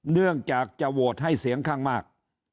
เนื่องจากจะโหวตให้เสียงข้างมาก